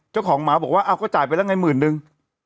เจ้าของหมาบอกว่าอ้าวก็จ่ายไปแล้วไงหมื่นนึง